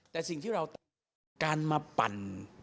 แต่สิ่งที่เราต้องการมาปั่น